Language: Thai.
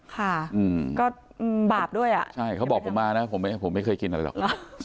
ค่ะอืมก็บาปด้วยอ่ะใช่เขาบอกผมมานะผมไม่เคยกินอะไรหรอก